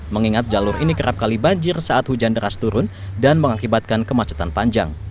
mengingat jalur ini kerap kali banjir saat hujan deras turun dan mengakibatkan kemacetan panjang